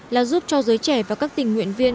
là giúp cho giới trẻ và các tình nguyện viên